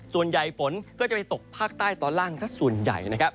ฝนก็จะไปตกภาคใต้ตอนล่างสักส่วนใหญ่นะครับ